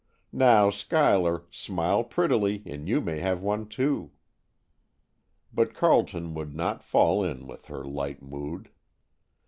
"Now, Schuyler, smile prettily and you may have one, too." But Carleton would not fall in with her light mood.